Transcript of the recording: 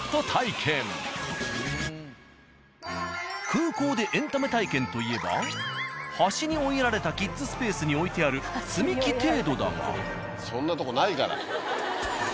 空港でエンタメ体験といえば端に追いやられたキッズスペースに置いてある積み木程度だが。